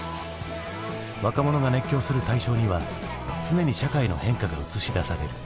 若者が熱狂する対象には常に社会の変化が映し出される。